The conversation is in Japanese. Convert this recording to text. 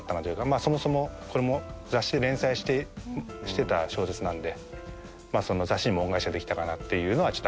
まあそもそもこれも雑誌で連載してた小説なんでその雑誌にも恩返しができたかなっていうのはちょっとありますね。